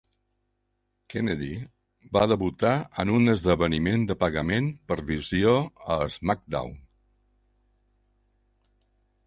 Kennedy va debutar en un esdeveniment de pagament per visió a SmackDown!